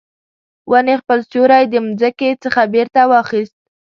ونې خپل سیوری د مځکې څخه بیرته واخیست